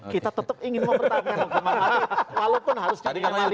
kita tetap ingin mempertahankan hukuman mati walaupun harus dikendali